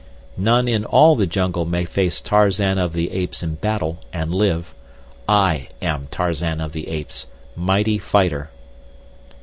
None in all the jungle may face Tarzan of the Apes in battle, and live. I am Tarzan of the Apes—mighty fighter.